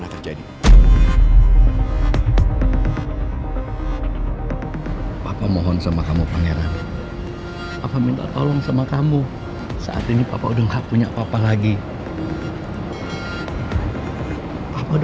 kalau papa hidup hanya untuk nanggung malu